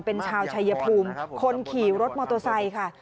เป็นชาวชายภูมิคนขี่รถมอเตอร์ไซค์ค่ะ